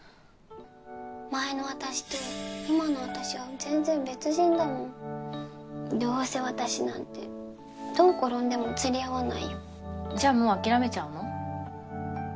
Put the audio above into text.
前の私と今の私は全然別人だもんどうせ私なんてどう転んでもつり合わないよじゃあもう諦めちゃうの？